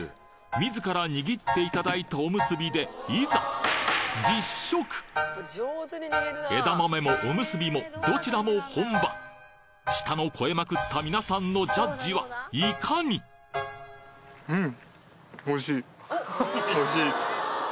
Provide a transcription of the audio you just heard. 自ら握っていただいたおむすびでいざ枝豆もおむすびもどちらも本場舌の肥えまくった皆さんのジャッジはいかにうん！